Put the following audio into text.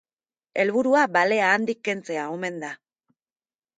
Helburua balea handik kentzea omen da.